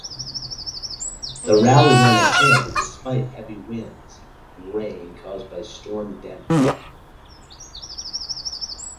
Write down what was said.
The rally went ahead despite heavy winds and rain caused by Storm Dennis.